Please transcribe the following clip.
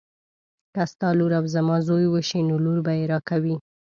که ستا لور او زما زوی وشي نو لور به یې راکوي.